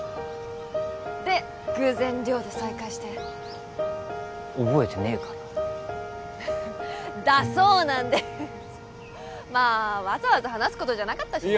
で偶然寮で再会して覚えてねえからだそうなんでまあわざわざ話すことじゃなかったかな